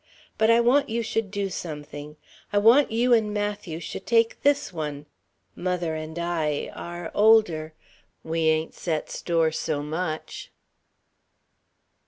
But I want you should do something: I want you and Matthew should take this one. Mother and I are older ... we ain't set store so much...."